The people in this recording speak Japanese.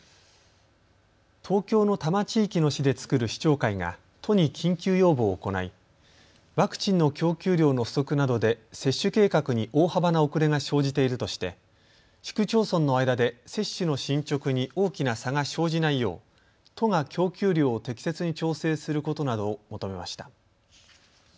東京の多摩地域の市で作る市長会が都に緊急要望を行い、ワクチンの供給量の不足などで接種計画に大幅な遅れが生じているとして市区町村の間で接種の進捗に大きな差が生じないよう都が供給量を適切に調整することなどを求めました。